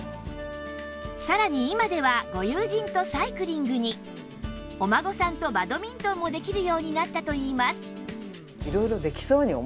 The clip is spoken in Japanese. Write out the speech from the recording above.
さらに今ではご友人とサイクリングにお孫さんとバドミントンもできるようになったといいます